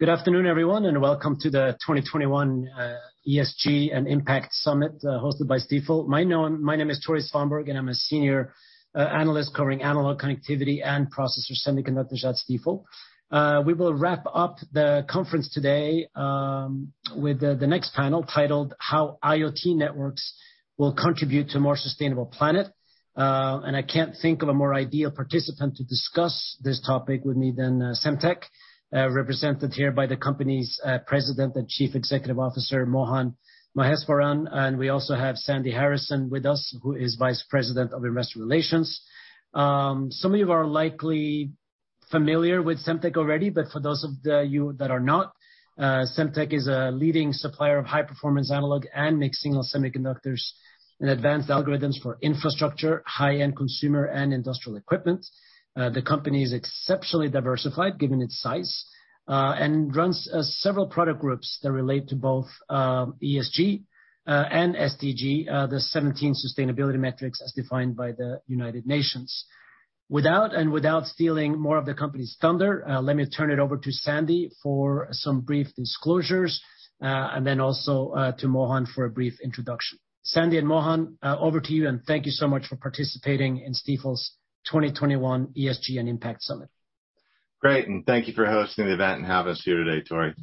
Good afternoon, everyone, welcome to the 2021 ESG and Impact Summit hosted by Stifel. My name is Tore Svanberg, and I'm a Senior Analyst covering analog connectivity and processor semiconductors at Stifel. We will wrap up the conference today with the next panel titled "How IoT Networks Will Contribute to a More Sustainable Planet." I can't think of a more ideal participant to discuss this topic with me than Semtech, represented here by the company's President and Chief Executive Officer, Mohan Maheswaran. We also have Sandy Harrison with us, who is Vice President of Investor Relations. Some of you are likely familiar with Semtech already, but for those of you that are not, Semtech is a leading supplier of high-performance analog and mixed-signal semiconductors and advanced algorithms for infrastructure, high-end consumer, and industrial equipment. The company is exceptionally diversified given its size, and runs several product groups that relate to both ESG and SDG, the 17 sustainability metrics as defined by the United Nations. Without stealing more of the company's thunder, let me turn it over to Sandy for some brief disclosures, and then also to Mohan for a brief introduction. Sandy and Mohan, over to you, and thank you so much for participating in Stifel's 2021 ESG and Impact Summit. Great. Thank you for hosting the event and have us here today, Tore.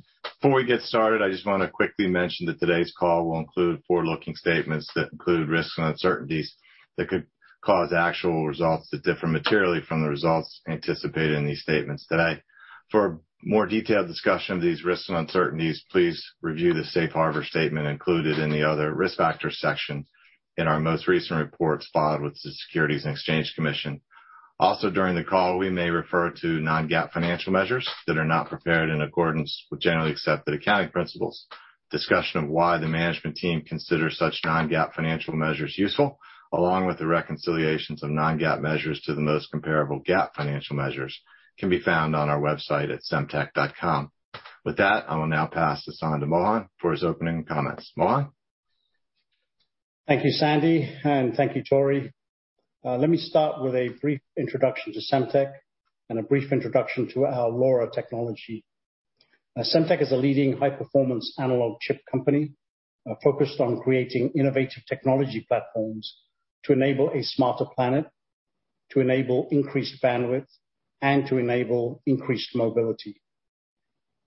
Before we get started, I just want to quickly mention that today's call will include forward-looking statements that include risks and uncertainties that could cause actual results to differ materially from the results anticipated in these statements today. For a more detailed discussion of these risks and uncertainties, please review the safe harbor statement included in the Other Risk Factors section in our most recent reports filed with the Securities and Exchange Commission. Also, during the call, we may refer to non-GAAP financial measures that are not prepared in accordance with generally accepted accounting principles. Discussion of why the management team considers such non-GAAP financial measures useful, along with the reconciliations of non-GAAP measures to the most comparable GAAP financial measures, can be found on our website at semtech.com. With that, I will now pass this on to Mohan for his opening comments. Mohan? Thank you, Sandy, and thank you, Tore. Let me start with a brief introduction to Semtech and a brief introduction to our LoRa technology. Semtech is a leading high-performance analog chip company focused on creating innovative technology platforms to enable a smarter planet, to enable increased bandwidth, and to enable increased mobility.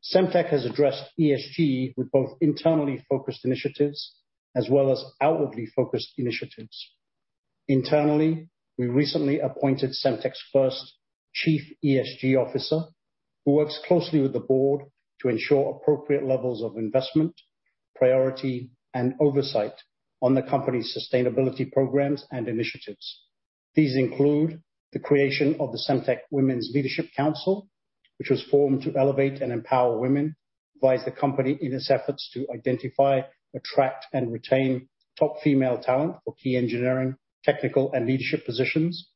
Semtech has addressed ESG with both internally focused initiatives as well as outwardly focused initiatives. Internally, we recently appointed Semtech's first chief ESG officer, who works closely with the board to ensure appropriate levels of investment, priority, and oversight on the company's sustainability programs and initiatives. These include the creation of the Semtech Women's Leadership Council, which was formed to elevate and empower women, advise the company in its efforts to identify, attract, and retain top female talent for key engineering, technical, and leadership positions.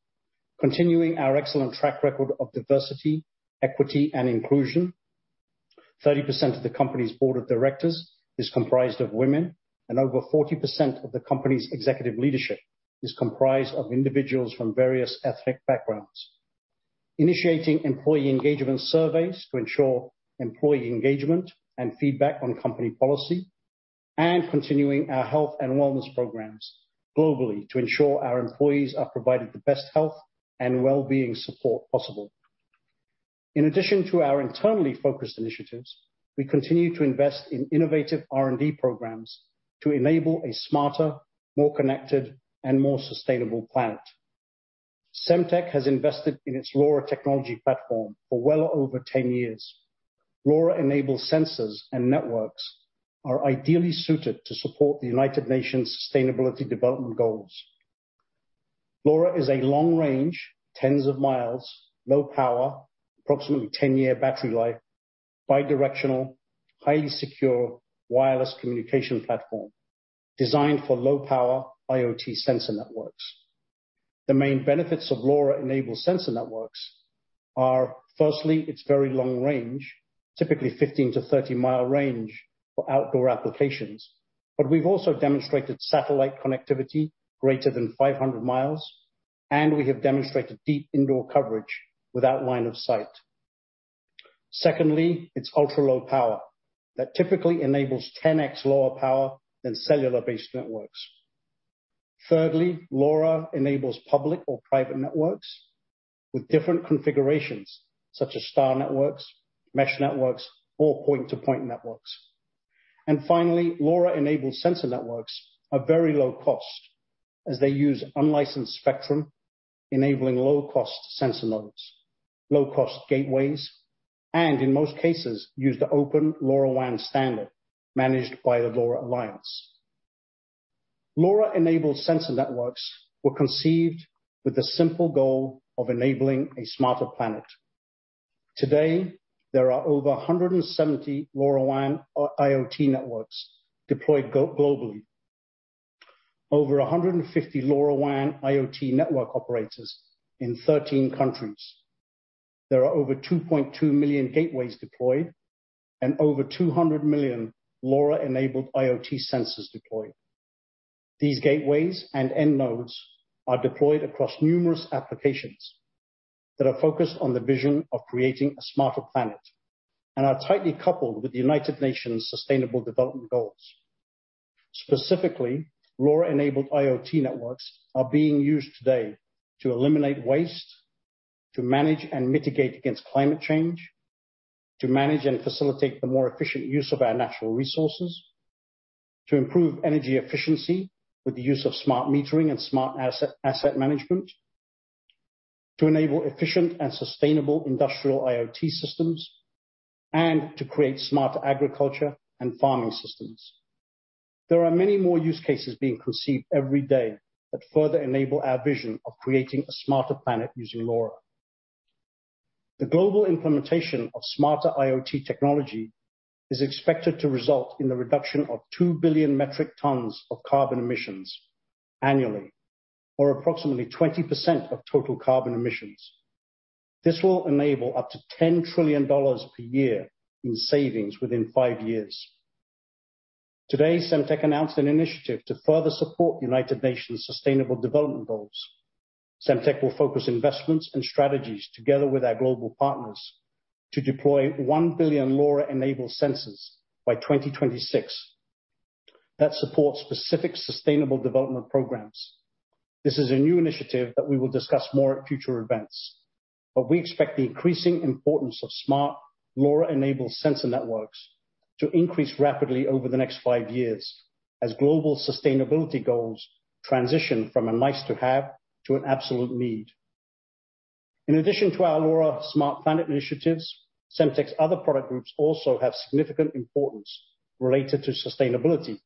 Continuing our excellent track record of diversity, equity, and inclusion. 30% of the company's board of directors is comprised of women, and over 40% of the company's executive leadership is comprised of individuals from various ethnic backgrounds. Initiating employee engagement surveys to ensure employee engagement and feedback on company policy, and continuing our health and wellness programs globally to ensure our employees are provided the best health and wellbeing support possible. In addition to our internally focused initiatives, we continue to invest in innovative R&D programs to enable a smarter, more connected, and more sustainable planet. Semtech has invested in its LoRa technology platform for well over 10 years. LoRa-enabled sensors and networks are ideally suited to support the United Nations Sustainable Development Goals. LoRa is a long range, tens of miles, low power, approximately 10-year battery life, bi-directional, highly secure wireless communication platform designed for low-power IoT sensor networks. The main benefits of LoRa-enabled sensor networks are, firstly, its very long range, typically 15-30 mi range for outdoor applications, but we've also demonstrated satellite connectivity greater than 500 mi, and we have demonstrated deep indoor coverage without line of sight. Secondly, its ultra-low power that typically enables 10x lower power than cellular-based networks. Thirdly, LoRa enables public or private networks with different configurations, such as star networks, mesh networks, or point-to-point networks. Finally, LoRa-enabled sensor networks are very low cost as they use unlicensed spectrum, enabling low-cost sensor nodes, low-cost gateways, and in most cases, use the open LoRaWAN standard managed by the LoRa Alliance. LoRa-enabled sensor networks were conceived with the simple goal of enabling a smarter planet. Today, there are over 170 LoRaWAN IoT networks deployed globally. Over 150 LoRaWAN IoT network operators in 13 countries. There are over 2.2 million gateways deployed and over 200 million LoRa-enabled IoT sensors deployed. These gateways and end nodes are deployed across numerous applications that are focused on the vision of creating a smarter planet and are tightly coupled with the United Nations Sustainable Development Goals. Specifically, LoRa-enabled IoT networks are being used today to eliminate waste, to manage and mitigate against climate change, to manage and facilitate the more efficient use of our natural resources, to improve energy efficiency with the use of smart metering and smart asset management, to enable efficient and sustainable industrial IoT systems, and to create smarter agriculture and farming systems. There are many more use cases being conceived every day that further enable our vision of creating a smarter planet using LoRa. The global implementation of smarter IoT technology is expected to result in the reduction of 2 billion metric tons of carbon emissions annually, or approximately 20% of total carbon emissions. This will enable up to $10 trillion per year in savings within five years. Today, Semtech announced an initiative to further support United Nations Sustainable Development Goals. Semtech will focus investments and strategies together with our global partners to deploy one billion LoRa-enabled sensors by 2026 that support specific sustainable development programs. This is a new initiative that we will discuss more at future events, but we expect the increasing importance of smart LoRa-enabled sensor networks to increase rapidly over the next five years as global sustainability goals transition from a nice-to-have to an absolute need. In addition to our LoRa smart planet initiatives, Semtech's other product groups also have significant importance related to sustainability.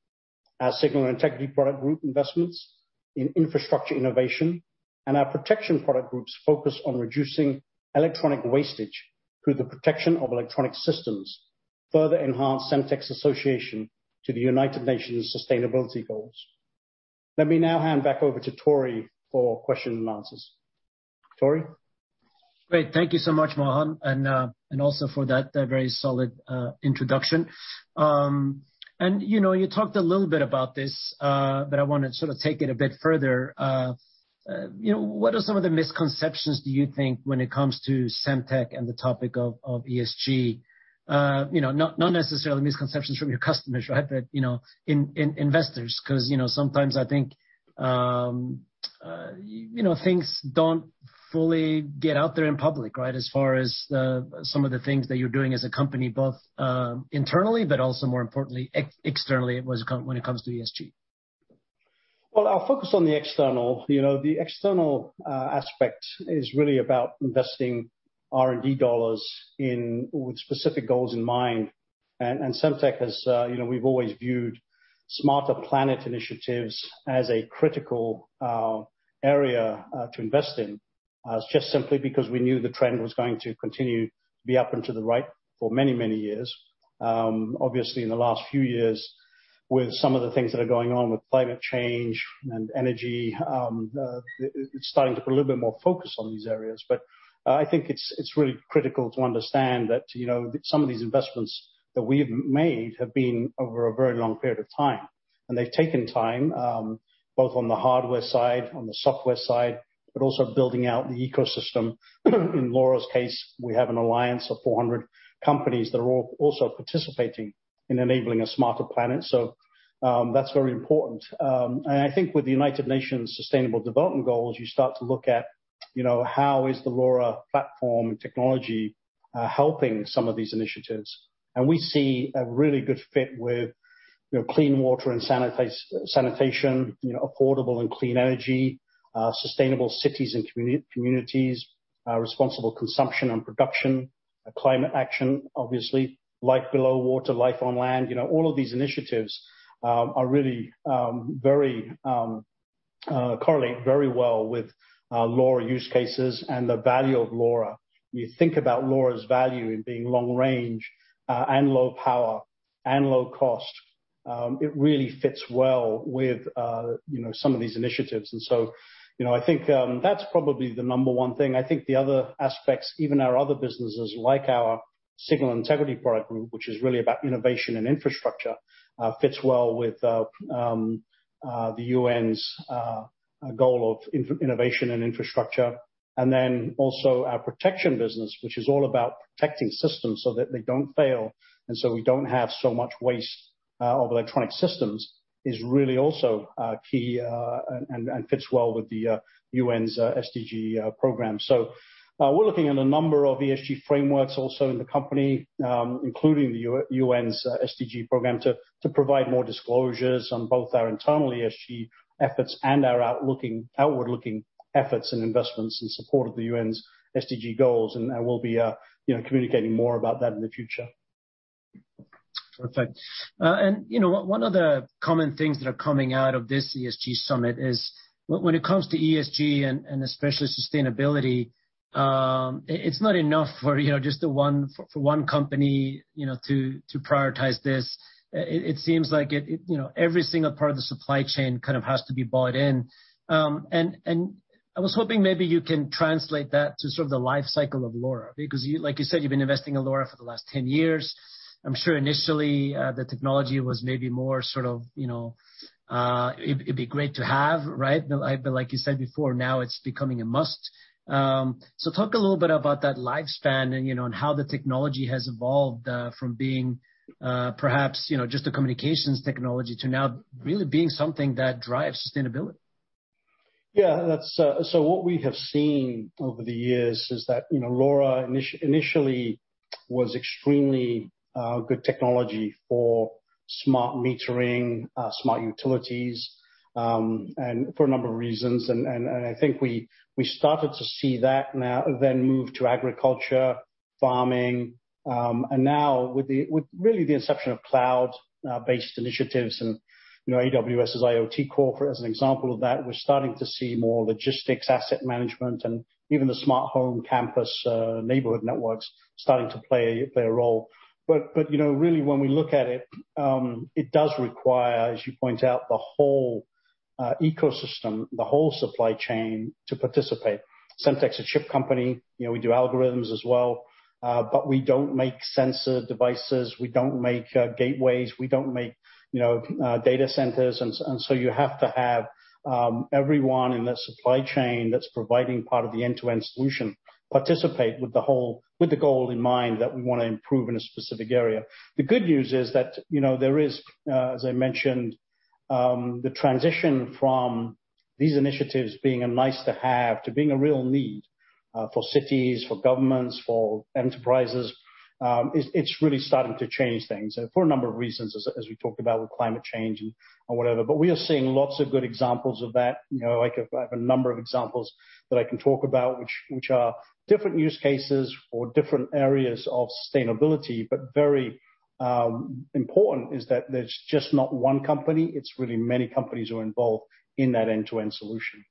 Our Signal Integrity product group investments in infrastructure innovation and our Protection Products Groups focus on reducing electronic wastage through the protection of electronic systems, further enhance Semtech's association to the United Nations sustainability goals. Let me now hand back over to Tore for question and answers. Tore? Great. Thank you so much, Mohan, and also for that very solid introduction. You talked a little bit about this, I want to take it a bit further. What are some of the misconceptions do you think when it comes to Semtech and the topic of ESG? Not necessarily misconceptions from your customers, investors, because sometimes I think things don't fully get out there in public. As far as some of the things that you're doing as a company, both internally, but also more importantly, externally, when it comes to ESG. Well, I'll focus on the external. The external aspect is really about investing R&D dollars with specific goals in mind. Semtech has, we've always viewed Smarter Planet initiatives as a critical area to invest in, just simply because we knew the trend was going to continue to be up and to the right for many, many years. Obviously, in the last few years, with some of the things that are going on with climate change and energy, it's starting to put a little bit more focus on these areas. I think it's really critical to understand that some of these investments that we have made have been over a very long period of time, and they've taken time, both on the hardware side, on the software side, but also building out the ecosystem. In LoRa's case, we have an alliance of 400 companies that are also participating in enabling a smarter planet. That's very important. I think with the United Nations Sustainable Development Goals, you start to look at how is the LoRa platform and technology helping some of these initiatives. We see a really good fit with Clean Water and Sanitation, Affordable and Clean Energy, Sustainable Cities and Communities, Responsible Consumption and Production, Climate Action, obviously, Life Below Water, Life on Land. All of these initiatives correlate very well with LoRa use cases and the value of LoRa. You think about LoRa's value in being long range and low power and low cost, it really fits well with some of these initiatives. I think that's probably the number one thing. I think the other aspects, even our other businesses, like our Signal Integrity product group, which is really about innovation and infrastructure, fits well with the UN's goal of innovation and infrastructure. Our Protection business, which is all about protecting systems so that they don't fail and so we don't have so much waste of electronic systems, is really also key and fits well with the UN's SDG program. We're looking at a number of ESG frameworks also in the company, including the UN's SDG program, to provide more disclosures on both our internal ESG efforts and our outward-looking efforts and investments in support of the UN's SDG goals, and we'll be communicating more about that in the future. Perfect. One of the common things that are coming out of this ESG summit is when it comes to ESG and especially sustainability, it's not enough for one company to prioritize this. It seems like every single part of the supply chain has to be bought in. I was hoping maybe you can translate that to sort of the life cycle of LoRa, because like you said, you've been investing in LoRa for the last 10 years. I'm sure initially, the technology was maybe more sort of, it'd be great to have, right? Like you said before, now it's becoming a must. Talk a little bit about that lifespan and how the technology has evolved from being perhaps just a communications technology to now really being something that drives sustainability. Yeah. What we have seen over the years is that LoRa initially was extremely good technology for smart metering, smart utilities, and for a number of reasons. I think we started to see that now then move to agriculture, farming. Now with really the inception of cloud-based initiatives and AWS IoT Core, as an example of that, we're starting to see more logistics, asset management, and even the smart home campus, neighborhood networks starting to play their role. Really when we look at it does require, as you point out, the whole ecosystem, the whole supply chain to participate. Semtech's a chip company, we do algorithms as well. We don't make sensor devices, we don't make gateways, we don't make data centers. You have to have everyone in that supply chain that's providing part of the end-to-end solution participate with the goal in mind that we want to improve in a specific area. The good news is that, there is, as I mentioned, the transition from these initiatives being a nice to have to being a real need, for cities, for governments, for enterprises. It's really starting to change things for a number of reasons, as we talked about with climate change and whatever. We are seeing lots of good examples of that. I have a number of examples that I can talk about, which are different use cases for different areas of sustainability. Very important is that there's just not one company, it's really many companies who are involved in that end-to-end solution.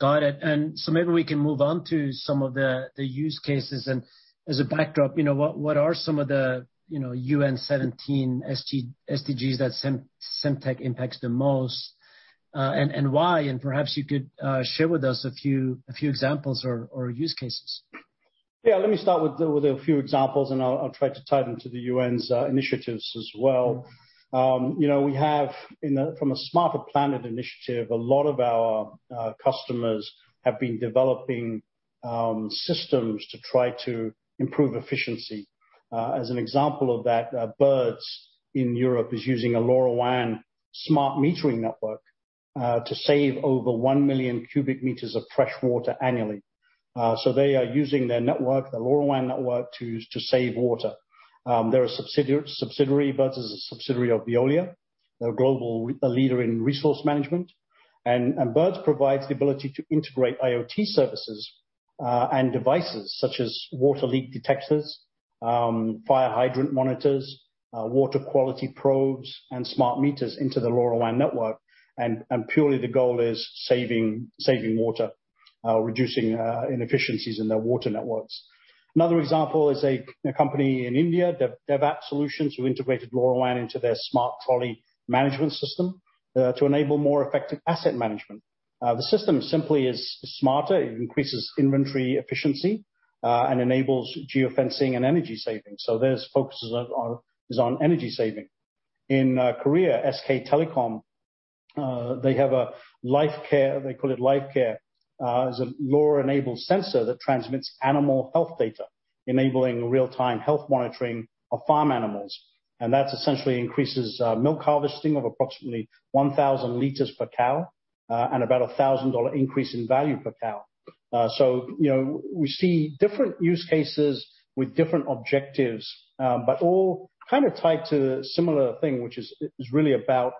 Got it. Maybe we can move on to some of the use cases. As a backdrop, what are some of the UN 17 SDGs that Semtech impacts the most, and why? Perhaps you could share with us a few examples or use cases. Yeah, let me start with a few examples, and I'll try to tie them to the UN's initiatives as well. We have, from a Smarter Planet Initiative, a lot of our customers have been developing systems to try to improve efficiency. As an example of that, Birdz in Europe is using a LoRaWAN smart metering network, to save over 1 million cu m of fresh water annually. They are using their network, the LoRaWAN network to save water. They're a subsidiary. Birdz is a subsidiary of Veolia. They're a global leader in resource management. Birdz provides the ability to integrate IoT services, and devices such as water leak detectors, fire hydrant monitors, water quality probes, and smart meters into the LoRaWAN network. Purely the goal is saving water, reducing inefficiencies in their water networks. Another example is a company in India, DevApp Tech Solutions, who integrated LoRaWAN into their smart trolley management system, to enable more effective asset management. The system simply is smarter. It increases inventory efficiency, enables geo-fencing and energy savings. Theirs focuses on energy saving. In Korea, SK Telecom, they have a LiveCare, they call it LiveCare, is a LoRa-enabled sensor that transmits animal health data, enabling real-time health monitoring of farm animals. That essentially increases milk harvesting of approximately 1,000 L per cow, and about $1,000 increase in value per cow. We see different use cases with different objectives, all kind of tied to a similar thing, which is really about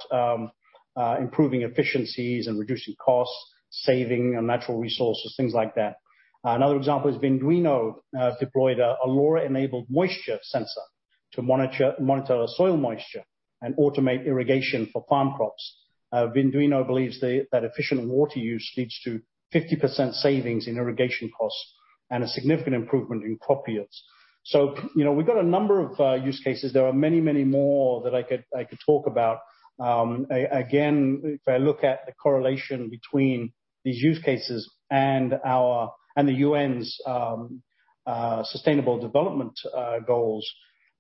improving efficiencies and reducing costs, saving on natural resources, things like that. Another example is Vinduino, deployed a LoRa-enabled moisture sensor to monitor soil moisture and automate irrigation for farm crops. Vinduino believes that efficient water use leads to 50% savings in irrigation costs and a significant improvement in crop yields. We've got a number of use cases. There are many, many more that I could talk about. If I look at the correlation between these use cases and the U.N.'s Sustainable Development Goals,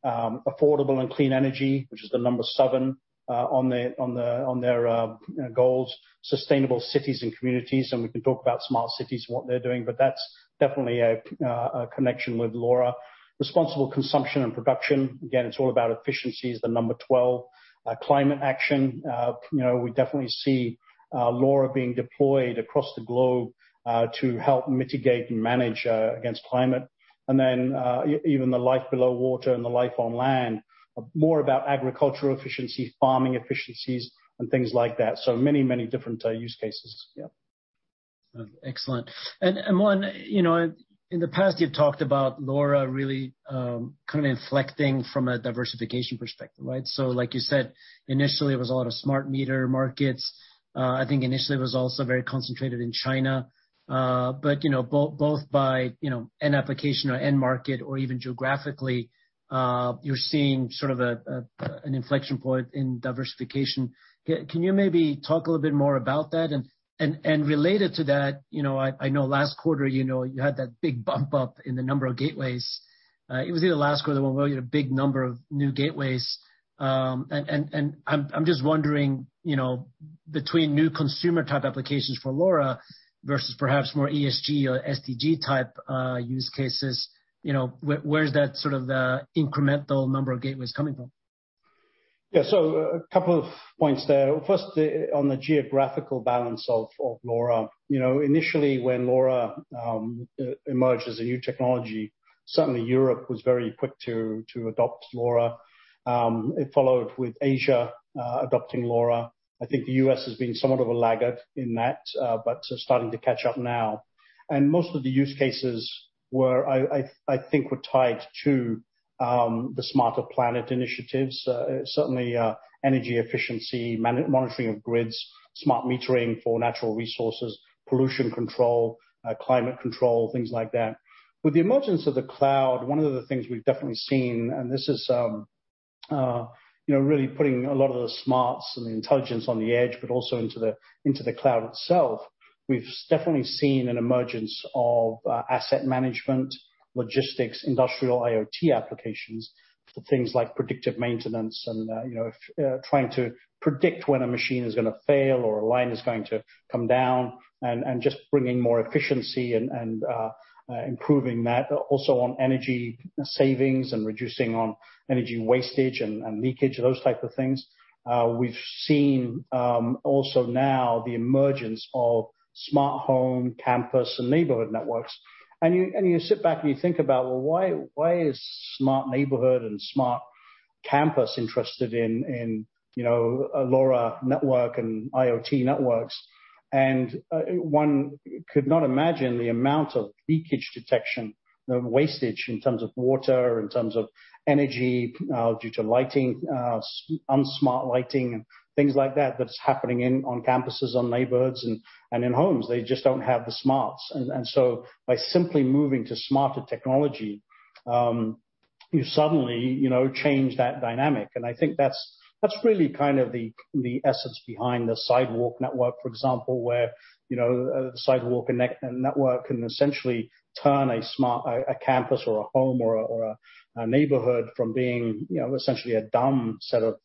Affordable and Clean Energy, which is the number seven on their goals, Sustainable Cities and Communities, we can talk about smart cities and what they're doing, that's definitely a connection with LoRa. Responsible Consumption and Production, again, it's all about efficiency, is the number 12. Climate Action, we definitely see LoRa being deployed across the globe, to help mitigate and manage against climate. Even the Life Below Water and the Life on Land, more about agricultural efficiency, farming efficiencies and things like that. Many, many different use cases. Yeah. Excellent. Mohan, in the past you've talked about LoRa really kind of inflecting from a diversification perspective, right? Like you said, initially it was a lot of smart meter markets. I think initially it was also very concentrated in China. But both by end application or end market or even geographically, you're seeing sort of an inflection point in diversification. Can you maybe talk a little bit more about that? Related to that, I know last quarter, you had that big bump up in the number of gateways. It was either last quarter or when we had a big number of new gateways. I'm just wondering, between new consumer-type applications for LoRa versus perhaps more ESG or SDG-type use cases, where's that sort of the incremental number of gateways coming from? Yeah. A couple of points there. First, on the geographical balance of LoRa. Initially, when LoRa emerged as a new technology, certainly Europe was very quick to adopt LoRa. It followed with Asia adopting LoRa. I think the U.S. has been somewhat of a laggard in that, but starting to catch up now. Most of the use cases, I think, were tied to the Smarter Planet initiatives. Certainly, energy efficiency, monitoring of grids, smart metering for natural resources, pollution control, climate control, things like that. With the emergence of the cloud, one of the things we've definitely seen, and this is really putting a lot of the smarts and the intelligence on the edge, but also into the cloud itself. We've definitely seen an emergence of asset management, logistics, industrial IoT applications for things like predictive maintenance and trying to predict when a machine is going to fail or a line is going to come down, and just bringing more efficiency and improving that. Also on energy savings and reducing on energy wastage and leakage, those types of things. We've seen also now the emergence of smart home, campus, and neighborhood networks. You sit back and you think about, well, why is smart neighborhood and smart campus interested in a LoRa network and IoT networks? One could not imagine the amount of leakage detection, the wastage in terms of water, in terms of energy due to unsmart lighting and things like that that's happening on campuses, on neighborhoods, and in homes. They just don't have the smarts. By simply moving to smarter technology, you suddenly change that dynamic. I think that's really kind of the essence behind the Amazon Sidewalk, for example, where the Amazon Sidewalk can essentially turn a campus or a home or a neighborhood from being essentially a dumb set of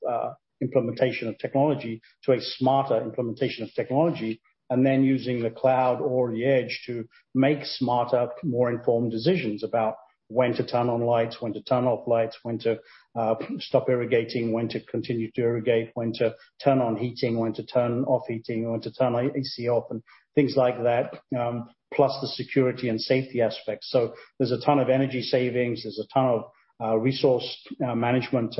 implementation of technology to a smarter implementation of technology. Using the cloud or the edge to make smarter, more informed decisions about when to turn on lights, when to turn off lights, when to stop irrigating, when to continue to irrigate, when to turn on heating, when to turn off heating, when to turn AC off, and things like that, plus the security and safety aspects. There's a ton of energy savings. There's a ton of resource management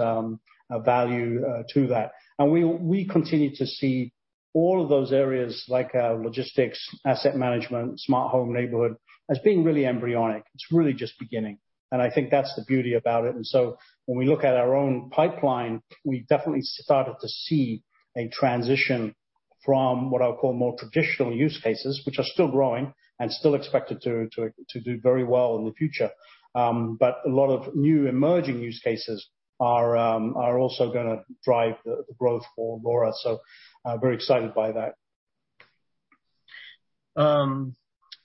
value to that. We continue to see all of those areas like logistics, asset management, smart home neighborhood as being really embryonic. It's really just beginning, and I think that's the beauty about it. When we look at our own pipeline, we definitely started to see a transition from what I'll call more traditional use cases, which are still growing and still expected to do very well in the future. A lot of new emerging use cases are also going to drive the growth for LoRa, so very excited by that.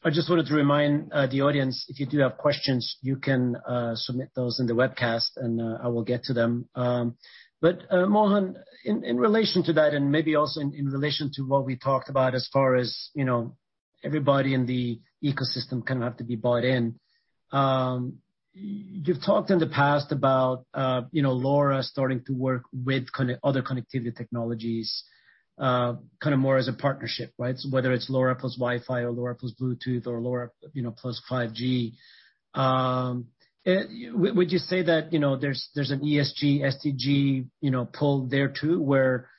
I just wanted to remind the audience, if you do have questions, you can submit those in the webcast, and I will get to them. Mohan, in relation to that and maybe also in relation to what we talked about as far as everybody in the ecosystem kind of have to be bought in. You've talked in the past about LoRa starting to work with other connectivity technologies, kind of more as a partnership, right? Whether it's LoRa plus Wi-Fi or LoRa plus Bluetooth or LoRa plus 5G. Would you say that there's an ESG, SDG pull there too, where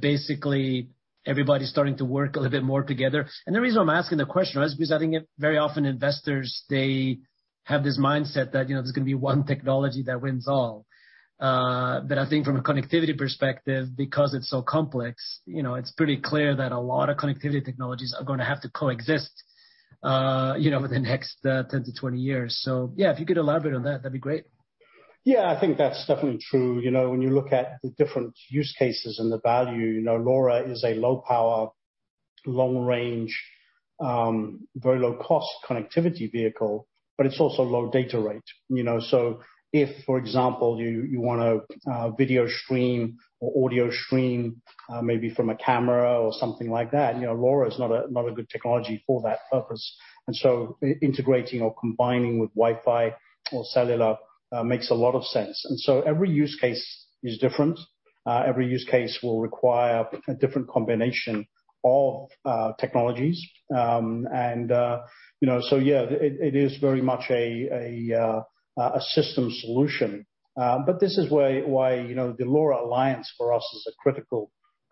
basically everybody's starting to work a little bit more together? The reason why I'm asking the question is because I think very often investors, they have this mindset that there's going to be one technology that wins all. I think from a connectivity perspective, because it's so complex, it's pretty clear that a lot of connectivity technologies are going to have to coexist within the next 10 to 20 years. Yeah, if you could elaborate on that'd be great. Yeah, I think that's definitely true. When you look at the different use cases and the value, LoRa is a low-power, long-range, very low-cost connectivity vehicle, but it's also low data rate. If, for example, you want to video stream or audio stream maybe from a camera or something like that, LoRa is not a good technology for that purpose. Integrating or combining with Wi-Fi or cellular makes a lot of sense. Every use case is different. Every use case will require a different combination of technologies. Yeah, it is very much a system solution. This is why the LoRa Alliance for us is a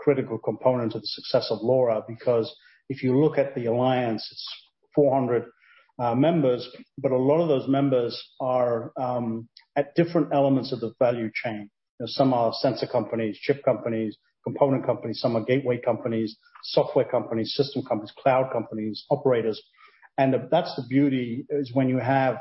critical component of the success of LoRa, because if you look at the Alliance, it's 400 members, but a lot of those members are at different elements of the value chain. Some are sensor companies, chip companies, component companies, some are gateway companies, software companies, system companies, cloud companies, operators. That's the beauty is when you have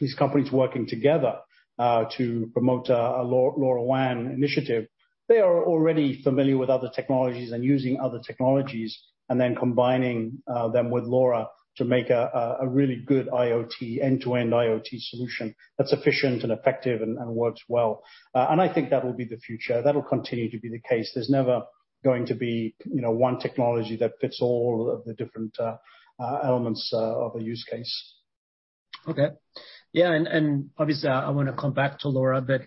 these companies working together to promote a LoRaWAN initiative, they are already familiar with other technologies and using other technologies and then combining them with LoRa to make a really good end-to-end IoT solution that's efficient and effective and works well. I think that will be the future. That'll continue to be the case. There's never going to be one technology that fits all of the different elements of a use case. Obviously I want to come back to LoRa, but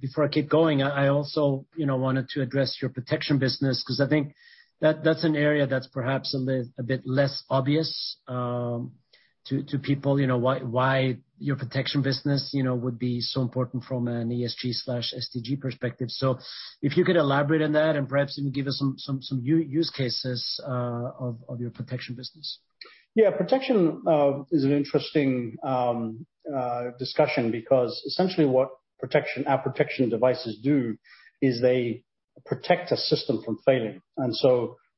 before I keep going, I also wanted to address your protection business, because I think that's an area that's perhaps a bit less obvious to people, why your protection business would be so important from an ESG/SDG perspective. If you could elaborate on that and perhaps even give us some use cases of your protection business. Yeah. Protection is an interesting discussion because essentially what our protection devices do is they protect a system from failing.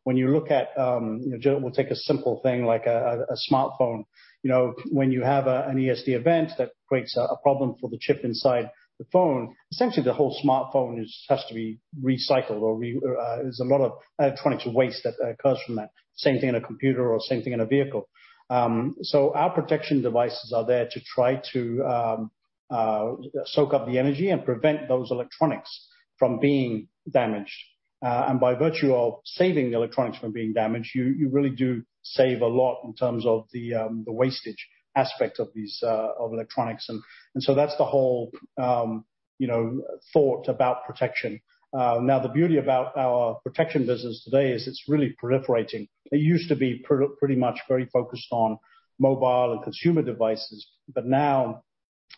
When you look at, we'll take a simple thing like a smartphone. When you have an ESD event, that creates a problem for the chip inside the phone, essentially the whole smartphone has to be recycled, or there's a lot of electronics waste that occurs from that. Same thing in a computer or same thing in a vehicle. Our protection devices are there to try to soak up the energy and prevent those electronics from being damaged. By virtue of saving the electronics from being damaged, you really do save a lot in terms of the wastage aspect of electronics. That's the whole thought about protection. Now, the beauty about our protection business today is it's really proliferating. It used to be pretty much very focused on mobile and consumer devices. Now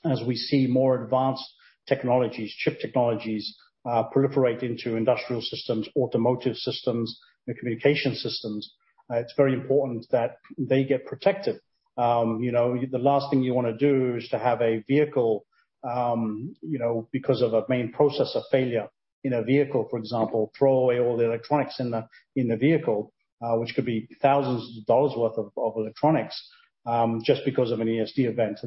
as we see more advanced technologies, chip technologies proliferate into industrial systems, automotive systems, and communication systems, it's very important that they get protected. The last thing you want to do is to have a vehicle, because of a main processor failure in a vehicle, for example, throw away all the electronics in the vehicle, which could be thousands of dollars worth of electronics, just because of an ESD event.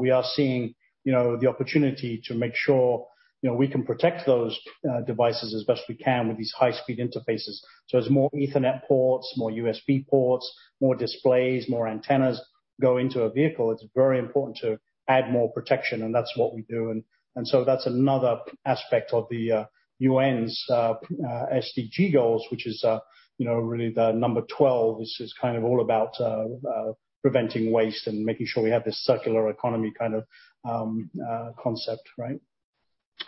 We are seeing the opportunity to make sure we can protect those devices as best we can with these high-speed interfaces. As more Ethernet ports, more USB ports, more displays, more antennas go into a vehicle, it's very important to add more protection, and that's what we do. That's another aspect of the UN's SDG goals, which is really the number 12. This is kind of all about preventing waste and making sure we have this circular economy kind of concept, right?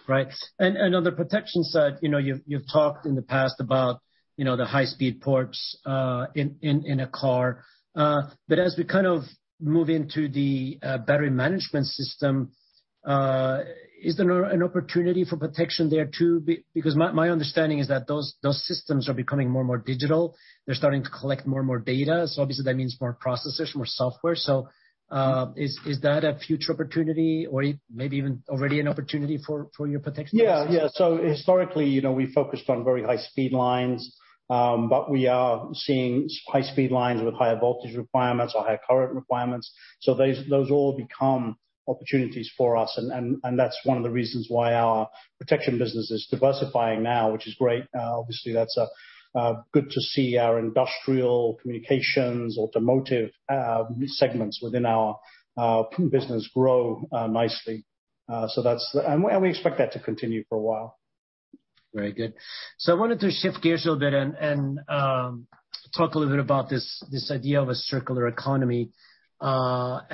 Right. On the protection side, you've talked in the past about the high-speed ports in a car. As we kind of move into the battery management system, is there an opportunity for protection there, too? Because my understanding is that those systems are becoming more and more digital. They're starting to collect more and more data, obviously that means more processors, more software. Is that a future opportunity or maybe even already an opportunity for your protection business? Historically, we focused on very high-speed lines, but we are seeing high-speed lines with higher voltage requirements or higher current requirements. Those all become opportunities for us, and that's one of the reasons why our Protection business is diversifying now, which is great. Obviously, that's good to see our industrial communications, automotive segments within our business grow nicely. We expect that to continue for a while. Very good. I wanted to shift gears a little bit and talk a little bit about this idea of a circular economy. I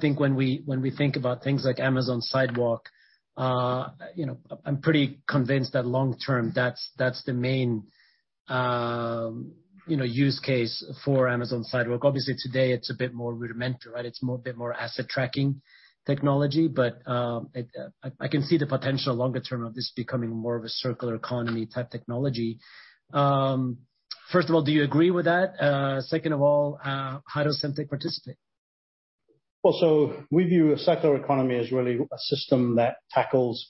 think when we think about things like Amazon Sidewalk, I'm pretty convinced that long term, that's the main use case for Amazon Sidewalk. Obviously, today it's a bit more rudimentary, right? It's a bit more asset tracking technology. I can see the potential longer term of this becoming more of a circular economy type technology. First of all, do you agree with that? Second of all, how does Semtech participate? Well, we view a circular economy as really a system that tackles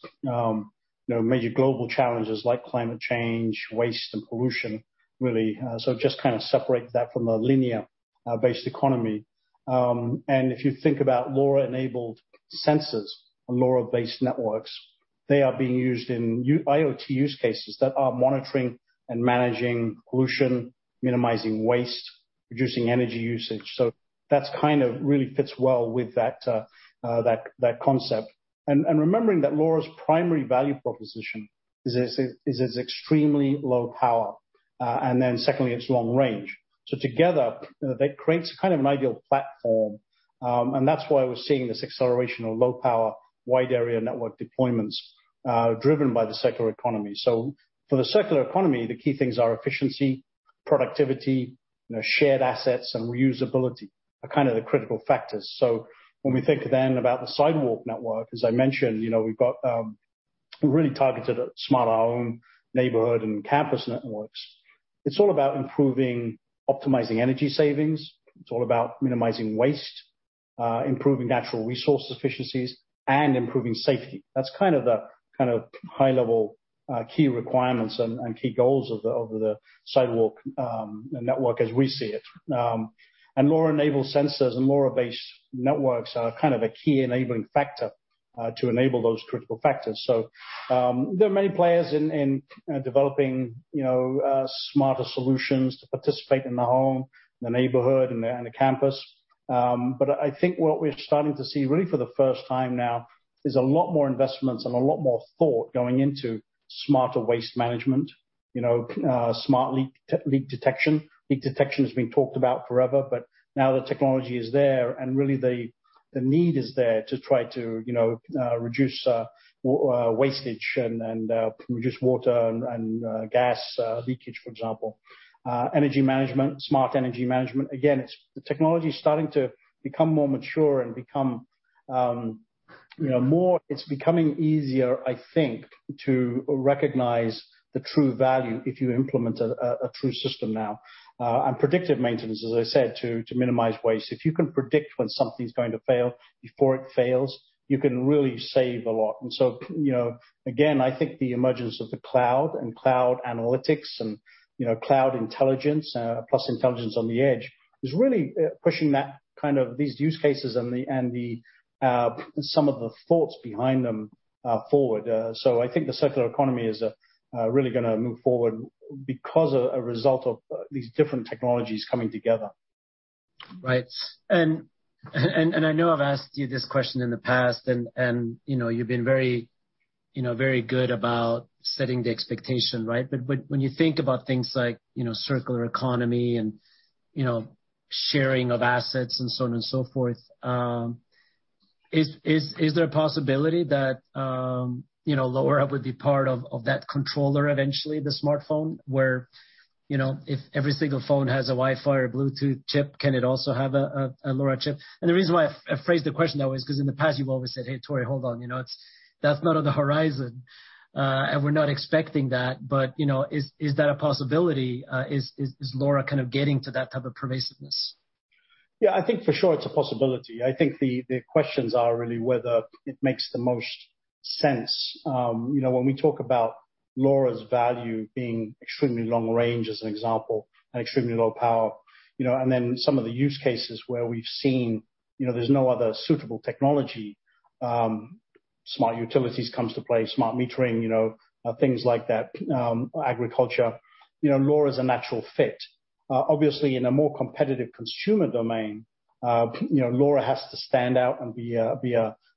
major global challenges like climate change, waste, and pollution, really. Just kind of separate that from a linear-based economy. If you think about LoRa-enabled sensors on LoRa-based networks, they are being used in IoT use cases that are monitoring and managing pollution, minimizing waste, reducing energy usage. That kind of really fits well with that concept. Remembering that LoRa's primary value proposition is its extremely low power, and then secondly, its long range. Together, that creates a kind of an ideal platform. That's why we're seeing this acceleration of low power wide area network deployments driven by the circular economy. For the circular economy, the key things are efficiency, productivity, shared assets, and reusability are kind of the critical factors. When we think about the Amazon Sidewalk network, as I mentioned, we're really targeted at smart home, neighborhood, and campus networks. It's all about optimizing energy savings. It's all about minimizing waste, improving natural resource efficiencies, and improving safety. That's the high-level key requirements and key goals of the Amazon Sidewalk as we see it. LoRa-enabled sensors and LoRa-based networks are a key enabling factor to enable those critical factors. There are many players in developing smarter solutions to participate in the home, the neighborhood, and the campus. I think what we're starting to see really for the first time now is a lot more investments and a lot more thought going into smarter waste management, smart leak detection. Leak detection has been talked about forever, but now the technology is there and really the need is there to try to reduce wastage and reduce water and gas leakage, for example. Energy management, smart energy management. Again, the technology is starting to become more mature and it's becoming easier, I think, to recognize the true value if you implement a true system now. Predictive maintenance, as I said, to minimize waste. If you can predict when something's going to fail before it fails, you can really save a lot. Again, I think the emergence of the cloud and cloud analytics and cloud intelligence, plus intelligence on the edge, is really pushing these use cases and some of the thoughts behind them forward. I think the circular economy is really going to move forward because of a result of these different technologies coming together. Right. I know I've asked you this question in the past and you've been very good about setting the expectation, right? When you think about things like circular economy and sharing of assets and so on and so forth, is there a possibility that LoRa would be part of that controller eventually, the smartphone, where if every single phone has a Wi-Fi or Bluetooth chip, can it also have a LoRa chip? The reason why I phrased the question that way is because in the past, you've always said, "Hey, Tore, hold on. That's not on the horizon. We're not expecting that." Is that a possibility? Is LoRa getting to that type of pervasiveness? Yeah, I think for sure it's a possibility. I think the questions are really whether it makes the most sense. When we talk about LoRa's value being extremely long range, as an example, and extremely low power, and then some of the use cases where we've seen there's no other suitable technology, smart utilities comes to play, smart metering, things like that, agriculture. LoRa's a natural fit. Obviously, in a more competitive consumer domain, LoRa has to stand out and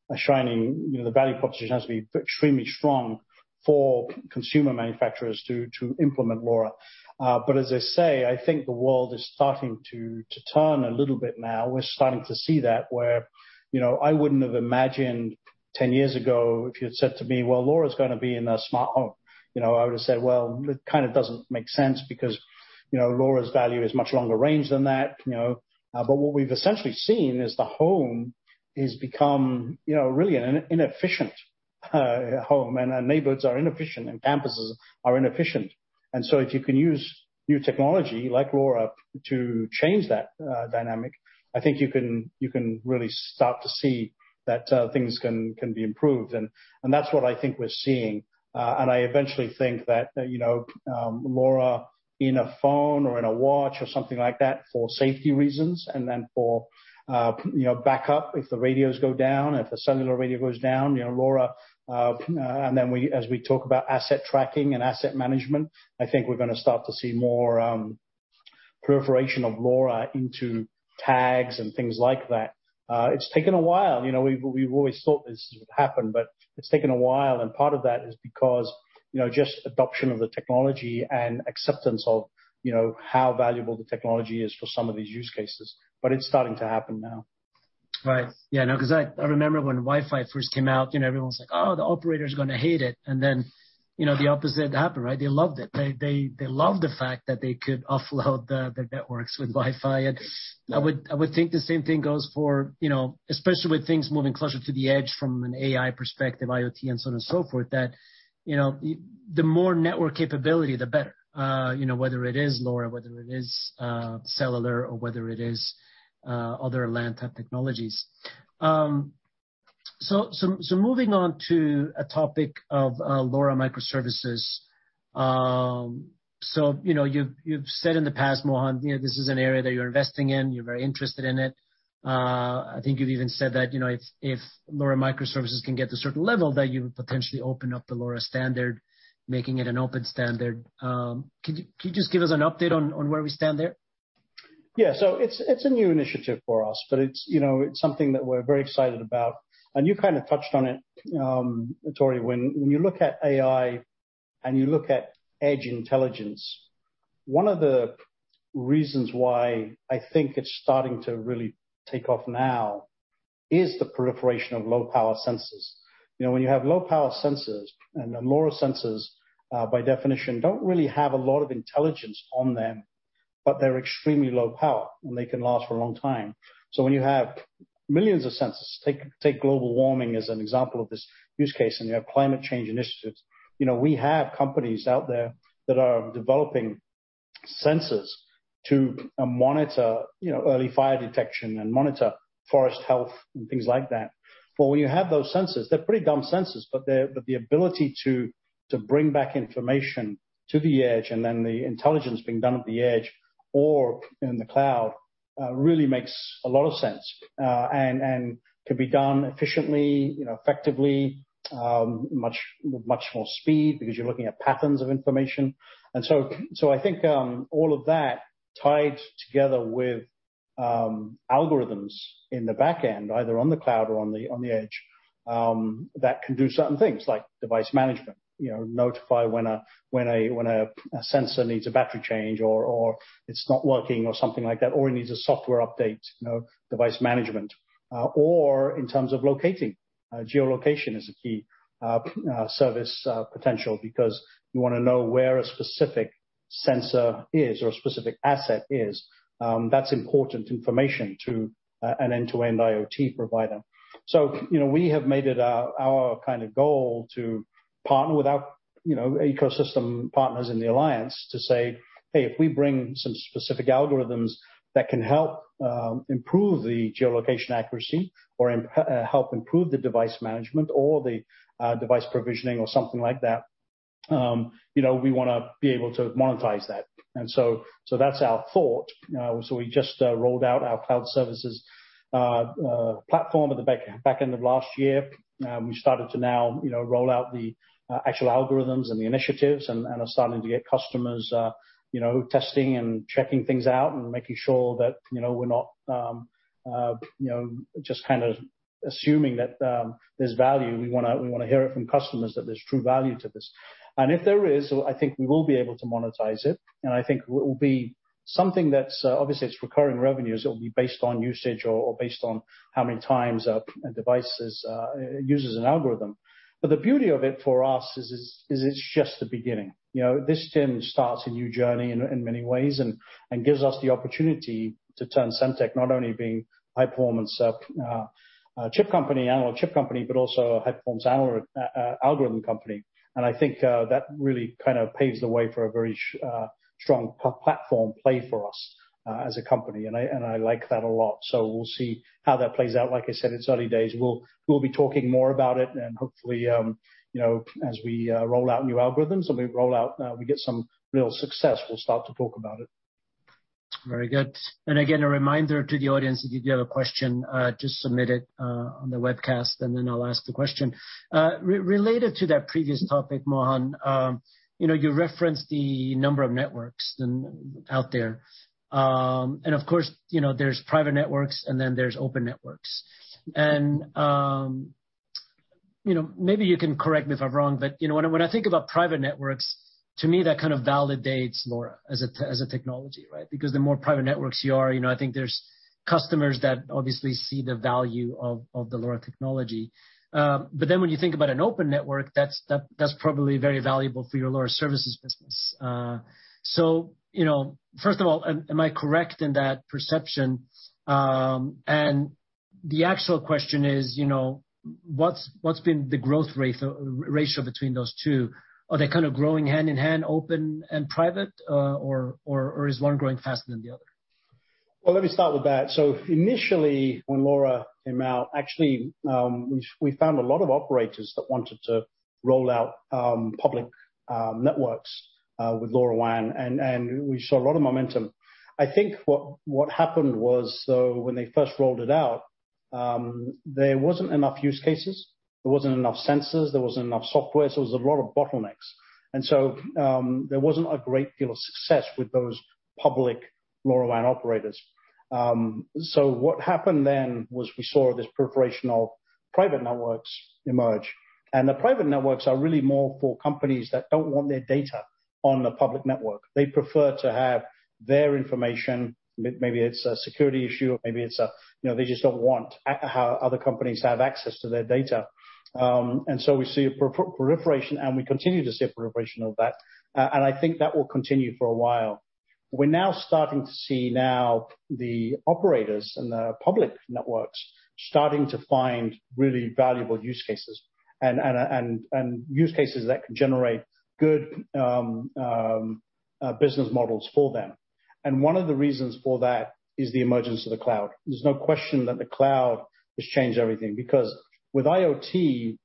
the value proposition has to be extremely strong for consumer manufacturers to implement LoRa. As I say, I think the world is starting to turn a little bit now. We're starting to see that where I wouldn't have imagined 10 years ago if you'd said to me, "Well, LoRa's going to be in a smart home." I would've said, "Well, that doesn't make sense because LoRa's value is much longer range than that." What we've essentially seen is the home has become really an inefficient home, and our neighborhoods are inefficient, and campuses are inefficient. If you can use new technology like LoRa to change that dynamic, I think you can really start to see that things can be improved. That's what I think we're seeing. I eventually think that LoRa in a phone or in a watch or something like that for safety reasons, and then for backup if the radios go down, if the cellular radio goes down, LoRa. As we talk about asset tracking and asset management, I think we're going to start to see more proliferation of LoRa into tags and things like that. It's taken a while. We've always thought this would happen, but it's taken a while, and part of that is because just adoption of the technology and acceptance of how valuable the technology is for some of these use cases. It's starting to happen now. Right. Yeah, no, because I remember when Wi-Fi first came out, everyone's like, "Oh, the operator's going to hate it." Then the opposite happened, right? They loved it. They loved the fact that they could offload the networks with Wi-Fi. I would think the same thing goes for, especially with things moving closer to the edge from an AI perspective, IoT, and so on and so forth, that the more network capability, the better. Whether it is LoRa, whether it is cellular, or whether it is other LAN type technologies. Moving on to a topic of LoRa microservices. You've said in the past, Mohan, this is an area that you're investing in, you're very interested in it. I think you've even said that if LoRa microservices can get to a certain level, that you would potentially open up the LoRa standard, making it an open standard. Can you just give us an update on where we stand there? Yeah. It's a new initiative for us, but it's something that we're very excited about. You touched on it, Tore. When you look at AI and you look at edge intelligence, one of the reasons why I think it's starting to really take off now is the proliferation of low-power sensors. When you have low-power sensors, and LoRa sensors, by definition, don't really have a lot of intelligence on them. They're extremely low power, and they can last for a long time. When you have millions of sensors, take global warming as an example of this use case, and you have climate change initiatives. We have companies out there that are developing sensors to monitor early fire detection and monitor forest health and things like that. When you have those sensors, they're pretty dumb sensors, but the ability to bring back information to the edge and then the intelligence being done at the edge or in the cloud, really makes a lot of sense and can be done efficiently, effectively, much more speed because you're looking at patterns of information. I think all of that tied together with algorithms in the back end, either on the cloud or on the edge, that can do certain things like device management. Notify when a sensor needs a battery change or it's not working or something like that, or it needs a software update, device management. Or in terms of locating. Geolocation is a key service potential because you want to know where a specific sensor is or a specific asset is. That's important information to an end-to-end IoT provider. We have made it our kind of goal to partner with our ecosystem partners in the alliance to say, "Hey, if we bring some specific algorithms that can help improve the geolocation accuracy or help improve the device management or the device provisioning or something like that," we want to be able to monetize that. That's our thought. We just rolled out our cloud services platform at the back end of last year. We started to now roll out the actual algorithms and the initiatives and are starting to get customers testing and checking things out and making sure that we're not just kind of assuming that there's value. We want to hear it from customers that there's true value to this. If there is, I think we will be able to monetize it, and I think it will be something that's obviously it's recurring revenues, it'll be based on usage or based on how many times a device uses an algorithm. The beauty of it for us is it's just the beginning. This starts a new journey in many ways and gives us the opportunity to turn Semtech not only being high-performance analog chip company, but also a high-performance algorithm company. I think that really kind of paves the way for a very strong platform play for us as a company, and I like that a lot. We'll see how that plays out. Like I said, it's early days. We'll be talking more about it and hopefully, as we roll out new algorithms, we get some real success, we'll start to talk about it. Very good. Again, a reminder to the audience, if you do have a question, just submit it on the webcast, then I'll ask the question. Related to that previous topic, Mohan, you referenced the number of networks out there. Of course, there's private networks, then there's open networks. Maybe you can correct me if I'm wrong, when I think about private networks, to me that kind of validates LoRa as a technology, right? Because the more private networks you are, I think there's customers that obviously see the value of the LoRa technology. When you think about an open network that's probably very valuable for your LoRa services business. First of all, am I correct in that perception? The actual question is what's been the growth ratio between those two? Are they kind of growing hand in hand, open and private? Or is one growing faster than the other? Well, let me start with that. Initially when LoRa came out, actually, we found a lot of operators that wanted to roll out public networks with LoRaWAN and we saw a lot of momentum. I think what happened was, though, when they first rolled it out, there wasn't enough use cases, there wasn't enough sensors, there wasn't enough software, so there was a lot of bottlenecks. There wasn't a great deal of success with those public LoRaWAN operators. What happened then was we saw this proliferation of private networks emerge. The private networks are really more for companies that don't want their data on the public network. They prefer to have their information, maybe it's a security issue or maybe it's they just don't want other companies to have access to their data. We see a proliferation, and we continue to see a proliferation of that. I think that will continue for a while. We're now starting to see now the operators and the public networks starting to find really valuable use cases and use cases that can generate good business models for them. One of the reasons for that is the emergence of the cloud. There's no question that the cloud has changed everything because with IoT,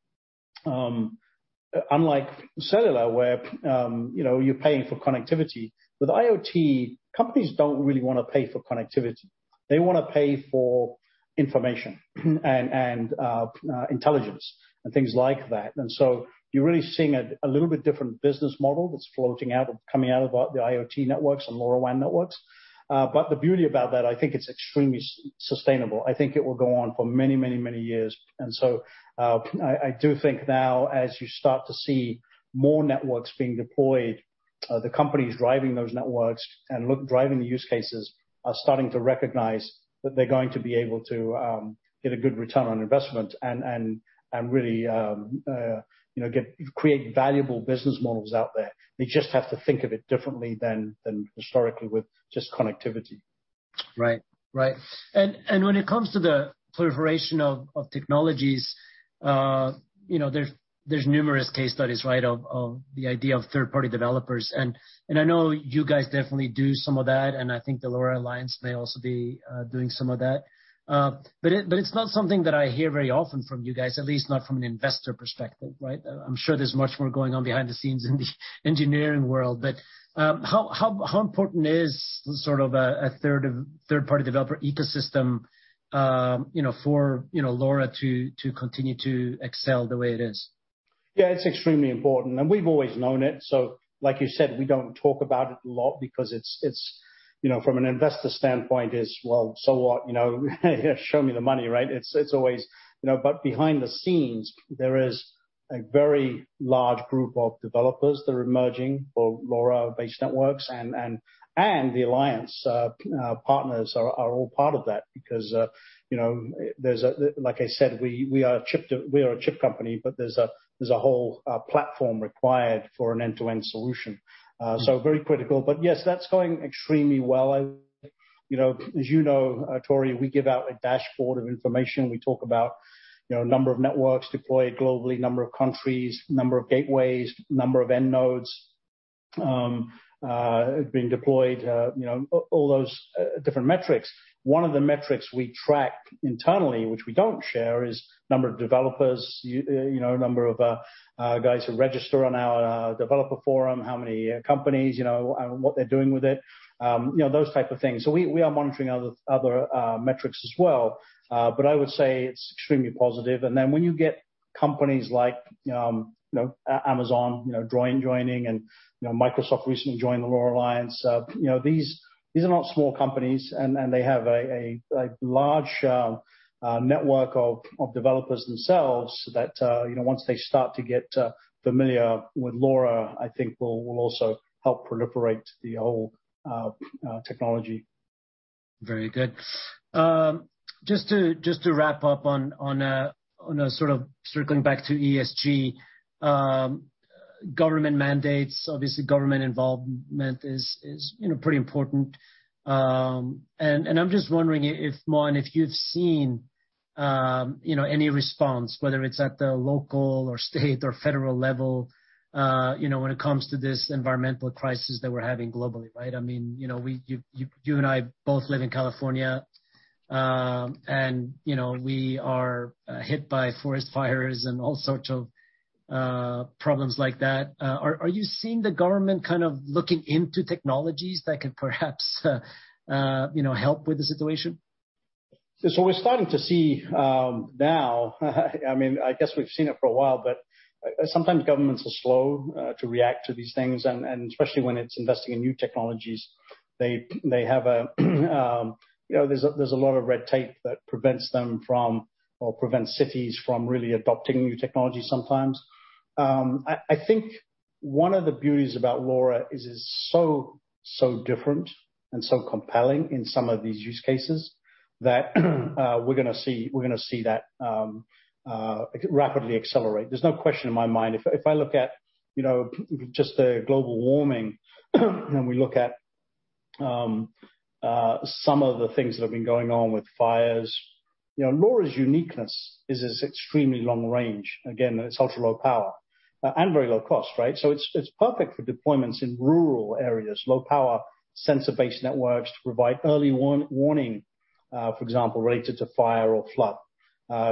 unlike cellular, where you're paying for connectivity, with IoT, companies don't really want to pay for connectivity. They want to pay for information and intelligence and things like that. You're really seeing a little bit different business model that's floating out, coming out of the IoT networks and LoRaWAN networks. The beauty about that, I think it's extremely sustainable. I think it will go on for many, many, many years. I do think now as you start to see more networks being deployed, the companies driving those networks and driving the use cases are starting to recognize that they're going to be able to get a good return on investment and really create valuable business models out there. They just have to think of it differently than historically with just connectivity. Right. When it comes to the proliferation of technologies, there's numerous case studies, right? Of the idea of third-party developers, and I know you guys definitely do some of that, and I think the LoRa Alliance may also be doing some of that. It's not something that I hear very often from you guys, at least not from an investor perspective. Right? I'm sure there's much more going on behind the scenes in the engineering world, but how important is sort of a third-party developer ecosystem for LoRa to continue to excel the way it is? Yeah, it's extremely important. We've always known it. Like you said, we don't talk about it a lot because from an investor standpoint, it's, "Well, so what? Show me the money." Right? Behind the scenes, there is a very large group of developers that are emerging for LoRa-based networks, and the Alliance partners are all part of that because like I said, we are a chip company, but there's a whole platform required for an end-to-end solution. Very critical. Yes, that's going extremely well. As you know, Tore, we give out a dashboard of information. We talk about number of networks deployed globally, number of countries, number of gateways, number of end nodes being deployed, all those different metrics. One of the metrics we track internally, which we don't share, is number of developers, number of guys who register on our developer forum, how many companies, and what they're doing with it, those type of things. We are monitoring other metrics as well. I would say it's extremely positive. When you get companies like Amazon joining and Microsoft recently joined the LoRa Alliance, these are not small companies, and they have a large network of developers themselves that once they start to get familiar with LoRa, I think will also help proliferate the whole technology. Very good. Just to wrap up on sort of circling back to ESG, government mandates, obviously government involvement is pretty important. I'm just wondering, Mohan, if you've seen any response, whether it's at the local or state or federal level, when it comes to this environmental crisis that we're having globally, right? You and I both live in California, and we are hit by forest fires and all sorts of problems like that. Are you seeing the government kind of looking into technologies that could perhaps help with the situation? We're starting to see now, I guess we've seen it for a while, but sometimes governments are slow to react to these things, and especially when it's investing in new technologies. There's a lot of red tape that prevents them from, or prevents cities from really adopting new technology sometimes. I think one of the beauties about LoRa is it's so different and so compelling in some of these use cases that we're going to see that rapidly accelerate. There's no question in my mind. If I look at just the global warming, and we look at some of the things that have been going on with fires, LoRa's uniqueness is its extremely long range. Again, it's ultra-low power and very low cost, right? It's perfect for deployments in rural areas, low-power sensor-based networks to provide early warning, for example, related to fire or flood,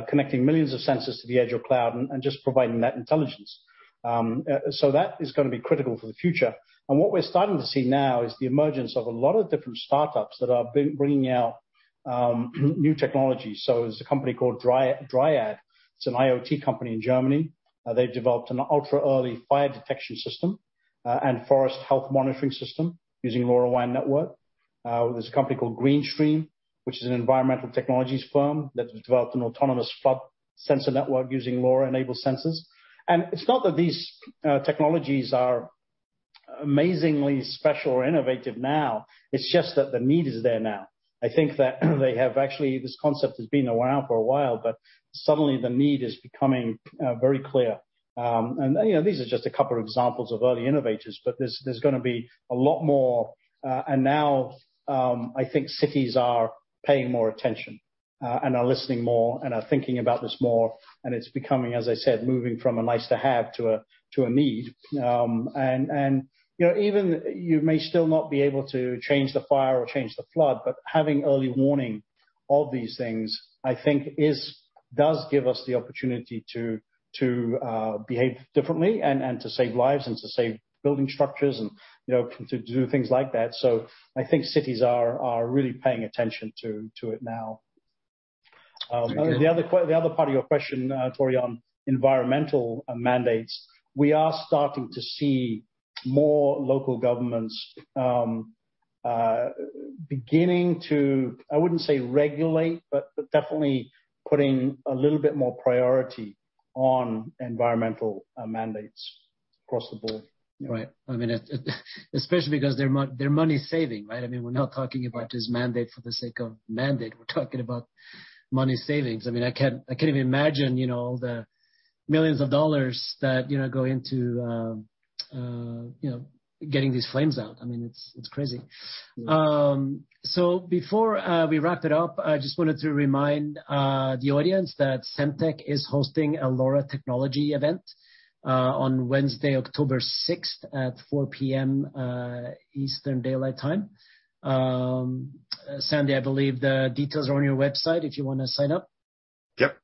connecting millions of sensors to the edge of cloud and just providing that intelligence. That is going to be critical for the future. What we're starting to see now is the emergence of a lot of different startups that are bringing out new technology. There's a company called Dryad. It's an IoT company in Germany. They've developed an ultra-early fire detection system and forest health monitoring system using LoRaWAN network. There's a company called Green Stream Technologies, which is an environmental technologies firm that has developed an autonomous flood sensor network using LoRa-enabled sensors. It's not that these technologies are amazingly special or innovative now, it's just that the need is there now. I think that actually this concept has been around for a while, but suddenly the need is becoming very clear. These are just a couple of examples of early innovators, but there's going to be a lot more. Now, I think cities are paying more attention, and are listening more and are thinking about this more, and it's becoming, as I said, moving from a nice to have to a need. Even you may still not be able to change the fire or change the flood, but having early warning of these things, I think does give us the opportunity to behave differently and to save lives and to save building structures and to do things like that. I think cities are really paying attention to it now. Very good. The other part of your question, Tore, on environmental mandates, we are starting to see more local governments beginning to, I wouldn't say regulate, but definitely putting a little bit more priority on environmental mandates across the board. Right. Especially because they're money-saving, right? We're not talking about this mandate for the sake of mandate. We're talking about money savings. I can't even imagine all the millions of dollars that go into getting these flames out. It's crazy. Before we wrap it up, I just wanted to remind the audience that Semtech is hosting a LoRa Technology event on Wednesday, October 6th at 4:00 P.M. Eastern Daylight Time. Sandy, I believe the details are on your website if you want to sign up. Yep.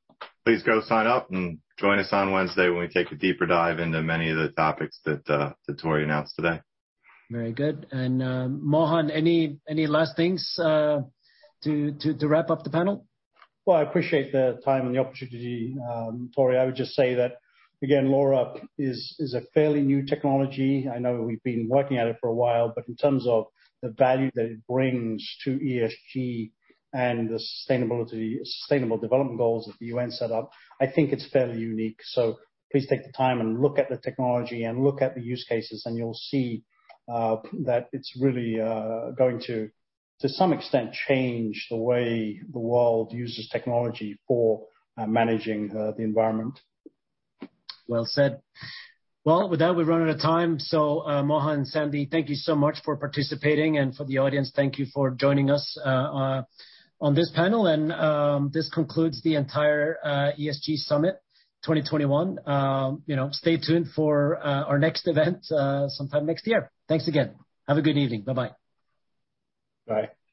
Please go sign up and join us on Wednesday when we take a deeper dive into many of the topics that Tore announced today. Very good. Mohan, any last things to wrap up the panel? I appreciate the time and the opportunity, Tori. I would just say that, again, LoRa is a fairly new technology. I know we've been working at it for a while, but in terms of the value that it brings to ESG and the Sustainable Development Goals that the UN set up, I think it's fairly unique. Please take the time and look at the technology and look at the use cases, and you'll see that it's really going to some extent change the way the world uses technology for managing the environment. Well said. Well, with that, we've run out of time. Mohan and Sandy, thank you so much for participating, and for the audience, thank you for joining us on this panel. This concludes the entire ESG Summit 2021. Stay tuned for our next event sometime next year. Thanks again. Have a good evening. Bye-bye. Bye.